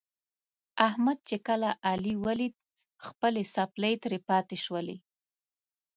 احمد چې کله علي ولید خپلې څپلۍ ترې پاتې شولې.